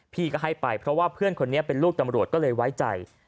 พี่ก็ให้ไปเพราะว่าเพื่อนคนนี้เป็นลูกตำรวจก็เลยไว้ใจ